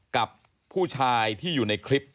กับผู้ชายที่อยู่ในคลิป